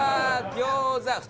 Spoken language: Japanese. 餃子。